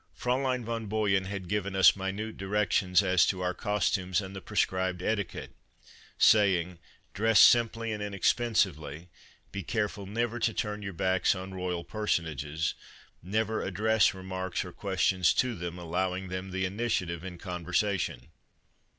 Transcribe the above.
Fraulein von Boyen had given us minute directions as to our costumes and the prescribed etiquette, say ing: "Dress simply and inexpensively, be careful never to turn your backs on royal personages, never address remarks or questions to them, allowing them the initiative in conversation."